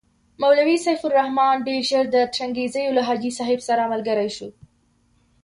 مولوي سیف الرحمن ډېر ژر د ترنګزیو له حاجي صاحب سره ملګری شو.